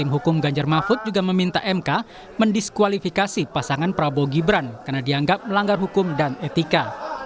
hukum ganjar mahfud juga meminta mk mendiskualifikasi pasangan prabowo gibran karena dianggap melanggar hukum dan etika